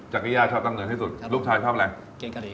จากีย่าชอบด้านเดิมที่สุดลูกชายชอบไหน